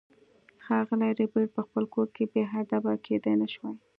ښاغلی ربیټ په خپل کور کې بې ادبه کیدای نشوای